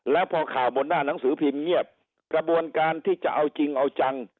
แล้วพอข่าวบนหน้าหนังสือพิมพ์เงียบกระบวนการที่จะเอาจริงเอาจัง